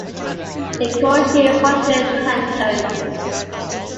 In Coleshill Hundred Hantone.